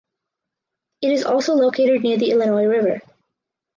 It is also located near the Illinois River.